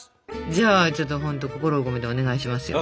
じゃあちょっとほんと心を込めてお願いしますよ。